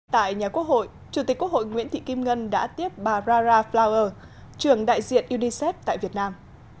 tại nhà quốc hội chủ tịch quốc hội nguyễn thị kim ngân đã tiếp bà rara flower trưởng đại diện unicef tại việt nam